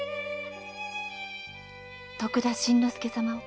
徳田新之助様